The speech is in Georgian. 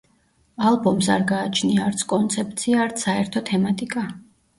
ალბომს არ გააჩნია არც კონცეფცია, არც საერთო თემატიკა.